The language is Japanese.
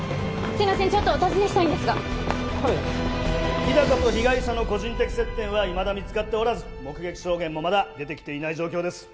ちょっとお尋ねしたいんですがはい日高と被害者の個人的接点はいまだ見つかっておらず目撃証言もまだ出てきていない状況です